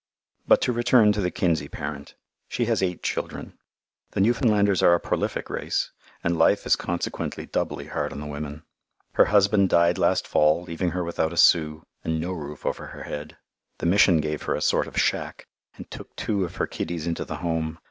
But to return to the Kinsey parent. She had eight children. The Newfoundlanders are a prolific race, and life is consequently doubly hard on the women. Her husband died last fall, leaving her without a sou, and no roof over her head. The Mission gave her a sort of shack, and took two of her kiddies into the Home.